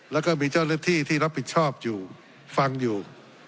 แล้วก็มีเจ้าหน้าที่ที่รับผิดชอบอยู่ฟังอยู่